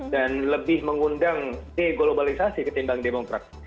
dan lebih mengundang deglobalisasi ketimbang demokrat